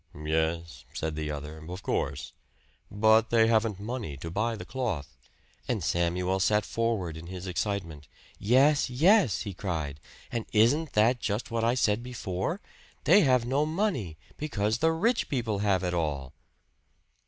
"Yes," said the other, "of course. But they haven't money to buy the cloth " And Samuel sat forward in his excitement. "Yes, yes!" he cried. "And isn't that just what I said before? They have no money, because the rich people have it all!"